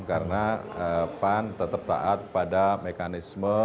karena pan tetap taat pada mekanisme